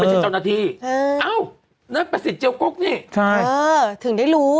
เจ้าหน้าที่เอ้านั่นประสิทธิเจียวกกนี่ใช่เออถึงได้รู้